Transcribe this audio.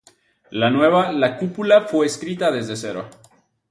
La nueva "La cúpula" fue escrita desde cero.